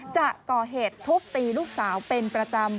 จะก่อเหตุทุบตีลูกสาวเป็นประจำ